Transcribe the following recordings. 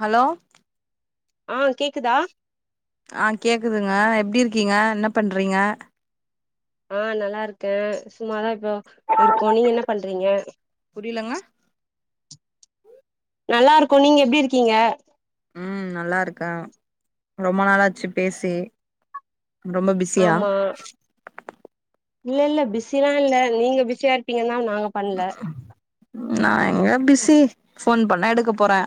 Hello ஆஹ் கேக்குதா ஆ கேக்குதுங்க எப்டி இருக்கீங்க என்ன பண்றீங்க ஆ நல்லா இருக்கே சும்மாதா இ இருக்கோ நீங்க என்னா பண்றீங்க புரியலங்க நல்லா இருக்கோ நீங்க எப்டி இருக்கீங்க உம் நல்லா இருக்கே ரொம்ப நாளாச்சு பேசி ரொம்ப பிஸியா ஆமா இல்ல இல்ல பிஸில்லா இல்ல நீங்க பிசியா இருப்பீங்கன்னா நாங்க பண்ல ம் நா எங்க பிசி ஃபோன் பண்ணா எடுக்க போறே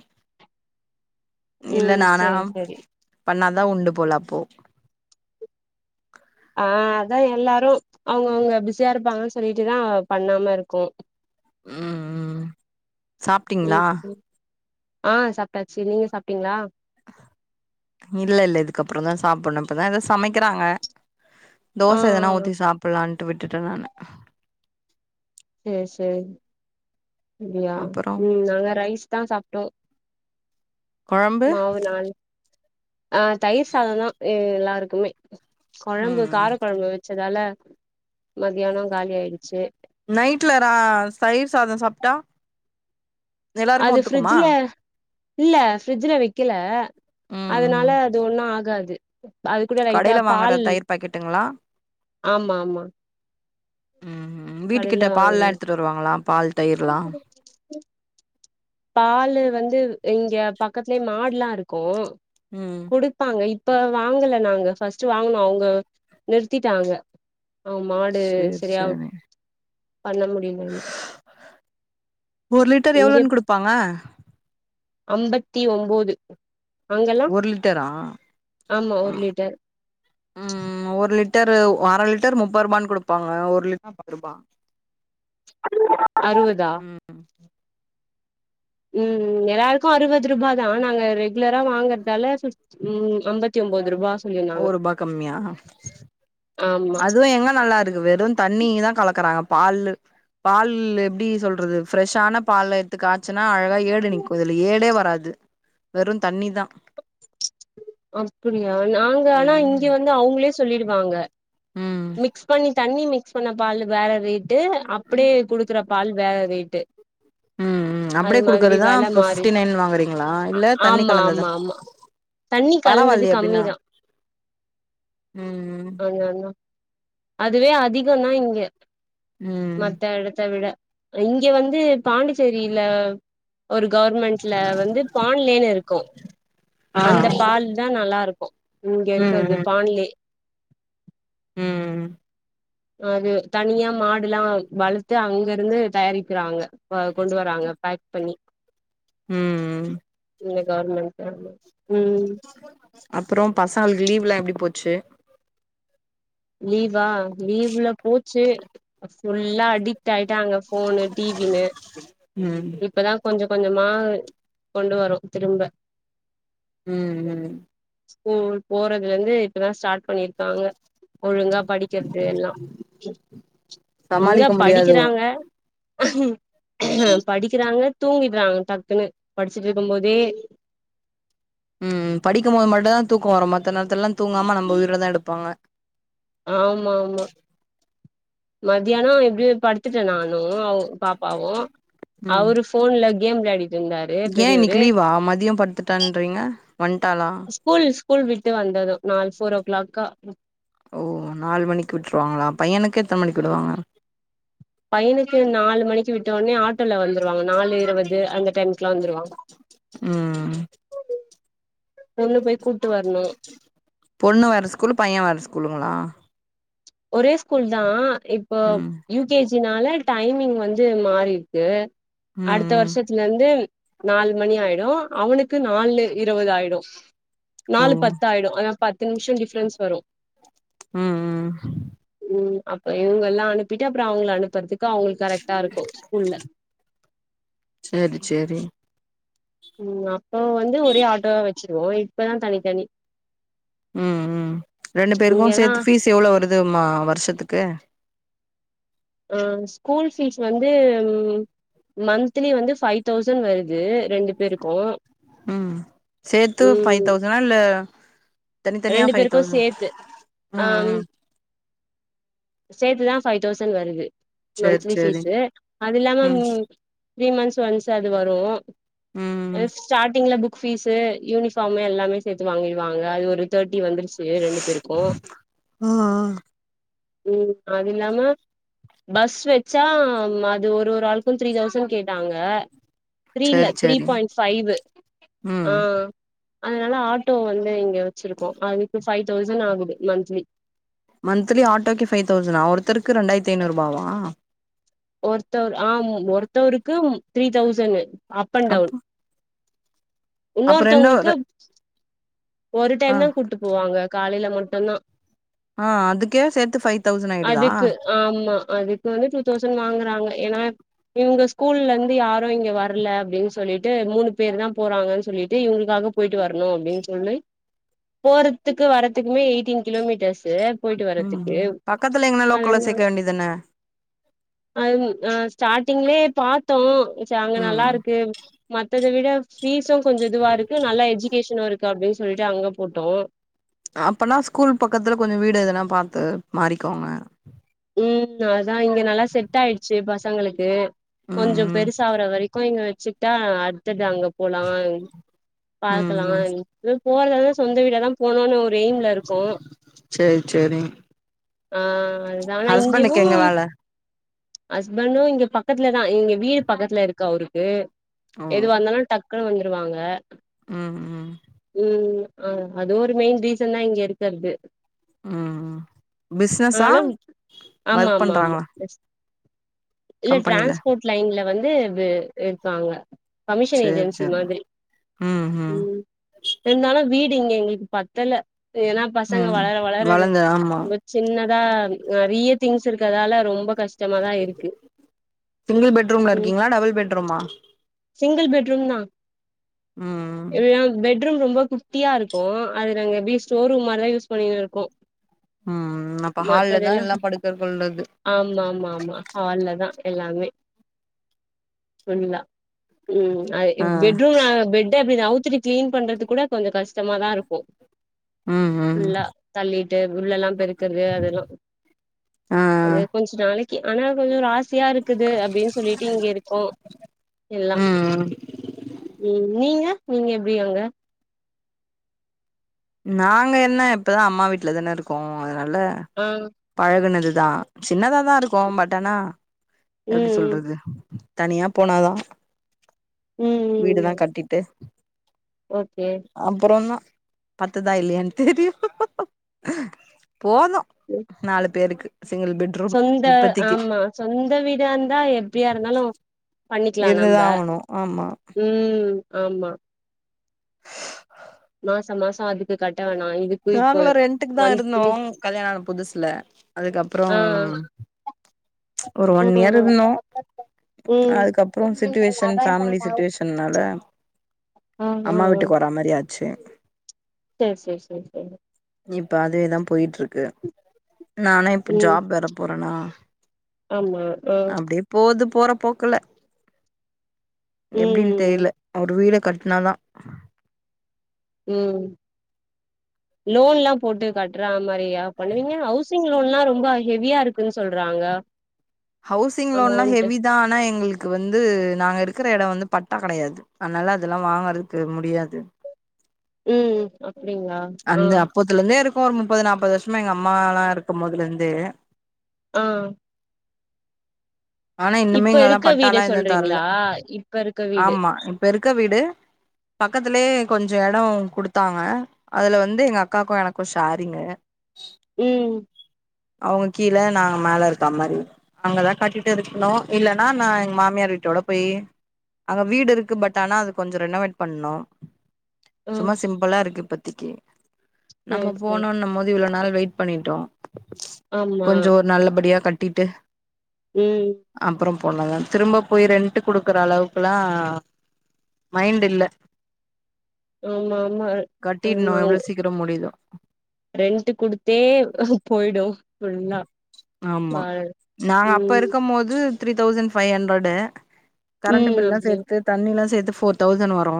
இல்ல ம் நானா சேரி சேரி பண்ணாதா அதா உண்டு போல அப்போ ஆ அதா எல்லாரு அவுங்கவுங்க பிஸியா இருப்பாங்கன்னு சொல்லிட்டுதா பண்ணாம இருக்கு உம் உம் ம் சாப்ட்டிங்ளா ம் ஆ சாப்ட்டாச்சு நீங்க சாப்ட்டிங்ளா இல்ல இல்ல இதுக்அப்புறோ தா சாப்பிணு இப்பதா ஏதோ சமைக்கிறாங்க ஆ தோசை எதனா ஆ ஊத்தி சாப்பலான்ட்டு விட் டுட்ட நானு சேரி சேரி ம்ப்பிடியா அப்புறோ ம் நாங்க ரைஸ் தா சாப்புட்டோ கொழம்பு ஆ தயிர் சாதோ தா எல்லாருக்குமே கொழம்பு ம் கார கொழம்பு வச்சதால மதியானோ காலி ஆயிடுச்சு நைட்டல ரா தயிர் சாதம் சாப்ட்டா எல்லாருக்கு அது ஒத்துக்குமா ஃபிரிட்ஜ்ல இல்ல ஃபிரிட்ஜ்ல வைக்கல ம் அதனால ம் அது ஒண்ணு ஆகாது [unintelligible] அது கூட லைட்டா கடையில வாங்குற பால் தயிர் பாக்கெட்டுங்களா ஆமா ஆமா ம் வீட்டு கடைல கிட்ட பால்லா வாங்குறது எடுத்துட்டு வருவாங்களா பால் தயிரலா க்கத்துலே மாடுல்லா இருக்கு ம் குடுப்பாங்க இ இப்ப வாங்கல நாங்க ஃபஸ்ட் வாங்கனோ அவுங்க நிறுத்திட்டாங்க அவுங் மாடு சேரி சரியா சேரி பண்ண முடியலன்னு ஒரு லிட்டர் எவ்ளோன்னு குடுப்பாங்க [unintelligible] ஐம்பத்தி ஒம்போது அங்கெல்லா ஒரு லிட்டரா ஆமா ஒரு ம் லிட்டர் ம் ஒரு லிட் லிட்டரு அரை லிட்டர் முப்பது ரூபானு குடுப்பாங்க ஒரு லிட்டர்பத்து ரூபா அறுவதா [unintelligible] ம் ம் எல்லாருக்கு அறுவது ரூவாதா நாங்க ரெகுலரா வாங்கறதால ம் ஐம்பத்தி ஒம்போது ரூபா சொல்லிருந்தாங்க ஒருபா கம்மியா ஆமா அதுவு எங்க நல்லா இருக்கு வெறு தண்ணிதா கலக்குறாங்க பால்லு பால் எப்பிடி சொல்றது ஃப்ரெஷ்ஷான பால் எடுத்துக்க காச்சின்னா அழகா ஏடு நிக்கு இதுல ஏடே வராது வெறு தண்ணிதா அப்பிடியா நாங்க ஆனா ம் இங்க வந்து அவங்களே சொல்லிடுவாங்க ம் மிக்ஸ் பண்ணி தண்ணி மிக்ஸ் பண்ண பால் வேற ரேட் டு அப்டியே குடுக்குற பால் வேற ரேட்டு ம் ம் அது அப்டியே மாதிரி குடுக்கறதுதா வெல இப்ப மாறி ஃபிஃப்டி நைன் வாங்குறீங்களா இல்ல தண்ணி ஆமா கலந்ததா ஆமா ஆமா தண்ணி கலந்தது பரவாயில்லையே அப்டின்னா கம்மிதா ம் [unintelligible] அதுவே அதிகொன்னா இங்க ம் மத்த எடத்த விட இங்க வந்து பாண்டிச்சேரியில ஒரு கவர்மெண்ட்ல வந்து பான்லேனு இருக்கு ஆ அந்த பால் தா நல் லாருக்கு இங்க இருக்கது ம் பான்லே ம் அது தனியா மாடுல்லா வளத்து அங்கருந்து தயாரிக்கிறாங்க ம் கொண்டு வராங்க பேக் பண்ணி ம் ம் இங்க கவர்மெண்ட் சார்புல அப்றோ பசங்களுக்கு லீவ்லா எப்டி போ ச்சு லீ வா லீவ்ல போச்சு ஃபுல்லா அடி க்ட் ஆயிட்டாங்க ஃபோனு டி வின்னு ம் இப்பதா கொஞ்ச கொஞ்சமா கொண்டு வரொ திரும்ப ம் ம் ஸ்கூல் போறதுலந்து இப்பதா ஸ்டார்ட் பண்ணிருக்காங்க ஒழுங்கா படிக்கற்து எல்லா எங்க சமாளிக்க முடியாதோ படிக்கிறாங்க உஹம் படிக்கிறாங்க தூங்கிட்றாங்க டக்குனு படிச்சுட்ருக்கும் போதே ம் படிக்கும் போது மட்டு தா தூக்கம் வரு மத்த நேரத்துல்லா தூங்காம நம்ப உயிர தா எடுப்பாங்க ஆமா ஆமா மத்தியானம் எப்படி படுத் ட்டேன் நானும் பாப்பாவும் அவுரு போன்ல கேம் விளையாடி ஏன் இன்னைக்கு லீவா மதியம் படுத்துட்டான்றீங்க வண்டால ஸ்கூல் ஸ்கூல் விட்டு வந்ததும் நாலு ஃபோர் ஓ கிளாக்கா ஓ நாலு மணிக்கு விட்டுருவாங்களா பையனுக்கு எத்தன மணிக்கு விடுவாங்க பையனுக்கு நாலு மணிக்கு விட் டோனே ஆட்டோல வந்துருவாங்க நாலு இருபது அந்த டைம்க்கெல்லாம் வந்துருவாங்க ம் பொண்ணு போய் கூட்டு வரணு பொண்ணு வேர ஸ்கூல் பையன் வேர ஸ்கூ லுங்களா ஒரே ஸ்கூல் தான் இப்போ ம் யு கே ஜி னால டைமிங் வந்து மாறி இருக்கு ம் அடுத்த ம் வருஷத்துல இருந்து நாலு மணி ஆயிடும் அவனுக்கு நாலு இருபது ஆயிடும் ஓ நாலு பத்தாயிடும் ஆ பத்து நிமிஷம் டிஃப்பரன்ஸ் வரும் ம் ம் ம் அப்ப இவுங்க எல்லாம் அனுப்பிட்டு அப்புறம் அவுங்கம அனுப்புறதுக்கு அவுங்களுக்கு கரெக்ட்டா இருக்கும் ஸ்கூல்ல செரி செரி ம் ஆ ம் வந்து ஒரே ஆட்டோவ வச் செரி ஓ இப்பதான் தனித்தனி ம் ம் ரெண்டு பேருக்கும் இங்கெல்லா சேர்த்து ஃபீஸ் எவ்வளரவு வருது மா வருஷத்துக்கு ஆ ஸ்கூல் ஃபீஸ் வந்து மன்த்திலி வந்து ஃபைவ் தௌசண்ட் வருது ரெண்டு பேருக்கும் ம் சேர்த்து ஃபைவ் தௌசண்னா இல்ல தனித்தனியா ரெண்டு ஃபைவ் பேருக்கும் தௌசண் சேர்த்து ஆ ம் ம் சேர்த்துதான் ஃபைவ் தௌசண்ட் வருது சேரி மந்த்லி சேரி பீஸ்ஸு அது இல்லாம ம் த்ரீ மன்த்ஸ் வன்ஸ் அது வரும் ம் ஸ்டாடிங்ல புக் பீஸு யூனிஃபாமு எல்லாமே சேத்து வாங்கிடுவாங்க அது ஒரு தேர்ட்டி வந்துருச்சு ரெண்டு பேருக்கு ஆ ஆ உம் அது இல்லாம பஸ் வெச்சா அது ஒரு ஒரு ஆளுக்கு த்ரீ தௌசண்ட் கேட்டாங்க த்ரீல இல்ல சேரி த்ரீ சேரி பாயிண்ட் ஃபைவு ஆ ம் அதனால ஆட்டோ வந்து இங்க வச்சிருக்கோ அதுக்கு ஃபைவ் தௌசண்ட் ஆகுது மந்த்த்லி மந்த்த்லி ஆட்டோக்கு ஃபைவ் தௌசணா ஒருத்தருக்கு ரெண்டாயிரத்த ஐநூறு ரூபாவா ஒருத்தர் ஆ ஒருத்தவருக்கு த்ரீ தௌசணு அப் அன் அப்ப டவுன் அப்ப ரெண்டு இன்னோருத்தவுங்களுக்கு ரெ ஒரு ஆ டைம் தா கூட்டிட்டு போவாங்க காலேல மட்டுந்தா ஆ அதுக்கே சேத்து ஃபைவ் தௌசண்ட் ஆயிடுதா அதுக்கு ஆமா அதுக்கு வந்து டூ தௌசண்ட் வாங்குறாங்க ஏன்னா இவுங்க ஸ்கூல்ல இருந்து யாரு இங்க வரல அப்டின்னு சொல்லிட்டு மூனு பேர் தா போறாங்கன்னு சொல்லிட்டு இவுங்களுக்காக போயிட்டு வரணு அப்டின்னு சொல்லி போறதுக்கு வர்துக்குமே ஏயிட்டீன் கிலோமீட்டர்ஸு போயிட்டு உம் வரதுக்கு பக்கத்ல எங்கனா லோக்கல்ல அதனா சேக்க வேண்டியதான ஸ்டார்ட்டிங்லே பாத்தோ சரி அங்க நல்லா ம் இருக்கு அத விட ஃபீஸும் கொஞ்ச இதுவா இருக்கு நல்ல எஜுகேஷனும் இருக்கு அப்டின் சொல்லிட்டு அங்க போட்டோ அப்பனா ஸ்கூல் பக்கத்துல கொஞ்சோ வீடு எதனா பாத்து மாறிக்கோங்க உம் அதுதா இங்க நல்லா செட் ஆயிடுச்சு பசங்களுக்கு ம் கொஞ்சோ ம் பெருசாகுற வரைக்கு இங்க வச்சுட்டா அடுத்தது அங்க போலா ம் ம் பாக்கலான்டு போறத சொந்த வீட தா போனோனு ஒரு எய்ம்ல இருக்கோ சேரி சேரி ஆ ஹஸ்பண்டுக்கு எங்க வேல ஹஸ்பெண்டு இங்க பக்கத்துலதா இங்க வீடு பக்கத்ல இருக்கு அவருக்கு ஓ எது வந்தாலு டக்குன்னு ருவாங்க ம் ம் ம் ஆ அதுவு ஒரு மெயின் ரீசன்தா இங்க இருக்கர்க்கு ம் பிஸ்னஸா அதனால ஆமா ஒர்க் ஆமா ஆமா பண்றாங்களா எஸ். இல்ல கம்பெனில டிரான்ஸ்போர்ட் லைன்ல வந் து இது இருக்காங்க கமிஷன் சேரி ஏஜென்சி சேரி மாதிரி ம் ந்தாலு வீடு இங்க எங்களுக்கு பத்தல ஏன்னா பசங்க ம் வளர வளர்து வளந்த ஆமா சின்ன தா நெரிய திங்ஸ் இருக்குதால ரொம்ப கஷ்டமாதா இருக்கு சிங்கிள் பெட்ரூம்ல ம் இருக்கீங்களா டபுள் பெட்ரூமா சிங்கிள் பெட்ரூம்தா ம் பெட்ரூம் ரொம்ப குட்டியா இருக்கு அது நாங்க எப்பிடி ஸ்டோர் ரூம் மாரிதா யூஸ் பண்ணி இருக்கோ ம் அப்ப ஹால்ல மத்தது தா எல்லா படுக்க கொள்றது ஆமா ஆமா ஆமா ஹால்ல தா எல்லாமே புஃல்லா ம் அது ஆ ப் பெட்ரூம் ஆ பெட்டே அப்பிடி கிளீன் பண்றது கூட கொஞ்சே கஷ் கஷ்டமாதா இருக்கு ம் ம் ஃபுல்லா தள்ளிட்டு உள்ளலெல்லா பெருக்கறது அதெல்லா ஆ அது கொஞ்சோ நாளைக்கு ஆனா கொஞ்சோ ராசியா இருக்குது அப்பிடின்னு சொல்லிட்டு இங்க இருக்கோ எல்லா ம் ம் நீங்க நீங்க எப் பிடியாங்க நாங்க என்ன இப்பதா அம்மா வீட்டுல தான இருக்கோ அதுனா ல ஆ பழகுனதுதா சின்னதா தா இருக்கு பட் ஆனா எப்பிடி ம் சொல்றது தனியா போனாதா ம் ம் வீடுதா ம் கட்டிட்டு ஓகே அப்புறோதா பத்துதா இல்லையான்னு தெரில போது நாலு பேருக்கு சிங்கிள் பெட்ரூம் சொந்த இப்பத்திக்கு ஆமா சொந் சொந்த வீடா இருந்தா எப்பியா இருந்தாலும் இருந்துதா ஆவுணு ஆமா ம் ஆமா மாச மாச அது நாங்ளும் ரெண்ட்டுக்கு தா இருந்தோ மந்த்லி கல்யாண ஆன புதுசுல அதுக்கப்புறோ ஆ ஒரு ஒன் இயர் ம் இருந்தோ ம் அதுக்கப்றோ இந்த சிட்டுவேஷன் லப்பர் ஃபேமிலி பேண்டாவு சிட்டுவேஷன்னால ஆ அம்மா வீட்டுக்கு வர மாரி ஆச் செரி செர் செரி செரி செரி இப்ப அதேதா போய்ட்டுருக்கு நானே இப்ப ம் ஜாப் வேற போறணா ஆமா ஆ போற போக்குல எப்டின் ம் தெரில ஒரு வீடக் கட்னா தா ம் லோன்லா போட்டு கட்றாங் மரியா பண்ணுவீங்க ஹவுஸ் ஸிங் லோன்லா ரொம்ப ஹெவியா இருக்குன்னு சொல்றாங்க ஹவுசிங் லோன்லா அமௌண்ட்டு ஹெவி தா ஆனா எங்ளுக் வந்து நாங்க இருக் க்ற எடம் வந்து பட்டா கெடையாது அதனால அதெல்லா வாங்றதுக்கு முடியாது ம் அந்த அப்போத்துலருந்தே இருக் இப்ப ஒரு முப்பது நாப்பது வருஷமா எங்க அம்மா லா இருக்கும் போதுலருந்தே ஆ ஆனா இன்னுமே இப்ப இங்கெல்லா இருக்க வீடு பட்டாலா எதுவு தரல சொல்றிங்ளா இப்ப இருக்க வீடு க்க வீடு பக்கத்துலயே கொஞ்சோ எடோ குடுத்தாங்க அதுல வந்து எங்க அக்காக்கும் எனக்கும் ஷாரிங்கு ம் அவுங்க கீழ நாங்க மேல இருக்கா மாரி அங்கதா கட்டிட்டு இருக்ணு இல்லனா நா எங் மாமியார் வீட்டோட போயி அங்க வீடிருக்கு பட் ஆனா அது கொஞ்சோ ரெனோவேட் பண்ணு ஆ சும்மா சிம்புளாருக்கு இப்பத் திக்கே சேரி நம்ம சேரி போனோன்னு போது இவ்ள நாள் வெயிட் பண்ணிட்டோ ஆமா கொஞ்ச ஒரு நல்ல படியா கட் ட்டிட்டு ம் போனாங்க திரும்ப போயி ரெண்ட் கிடுக்குற அளவுக்கல்லா மைண்ட் இல்ல ஆமா. ஆமா கட்டிணு ஆமா எவ்ளோ சீக்கிரொ முடியுதோ ரெண்ட்டு குடுத்தே போயிடு ன்ன ஆமா நாங்க அப்ப இருக்கு மோது three thousand five hundred current ம் பில் லா அப்டியா சேத்து தண்ணி ல்லா சேத்து ஃபோர் தௌசண்ட் வரு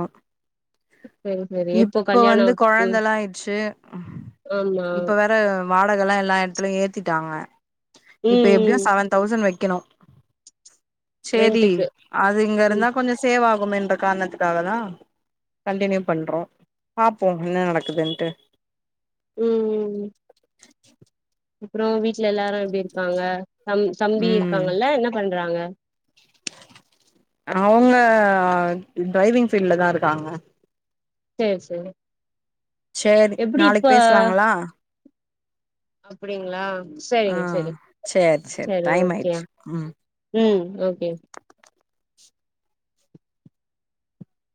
சரி சரி எப்போ இப்ப வந்து கல்யாணத்துக்கு கொழந்தல ஆயிட்ச்சு ஆமா வாடகல்லா எல்லா இடத்துலயு ஏத்திட்டாங்க இப்ப ம் எப்படியு ம் செவன் தௌசண் வைக்கணு செரி ரெண்ட்டுக்கு அது ம் இங்கருந்தா கொஞ்ச சேவாகு ன்ற காரணத்துக்காக தா கண்டினியூ பண்றோ பாப்போ என்ன நடக்குதுன்ட்டு ம் ம் அப்புரொ வீட்ல எல்லாரு எப்டி இருக்காங்க தம் தம்பி இருக்காங்கல்ல என்ன பண்றாங்க அவுங்க டிரைவிங் ஃபீல்டுலா தா இருக்காங்க செரி செரி செரி நாளைக்கு பேசலாங்களா அப்டிங்களா ஆ செரிங்க செரிங்க சேரி சேரி செரி டைம் ஓகே ஆயிடுச்சு ம் ம் ஓகே